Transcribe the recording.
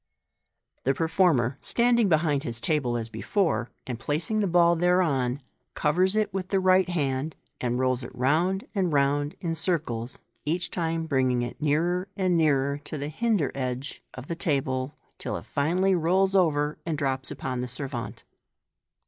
— The performer, standing behind his table as before, and placing the ball thereon, covers it with the right hand, MODERN MA GfC 295 and rolls it round and round in circles, each time bringing it nearer and nearer to the hinder edge of the table, till it finally rolls over, and drops upon the servante.